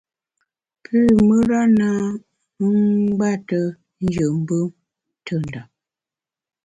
Pü mùra na ngbète njù mbùm ntùndap.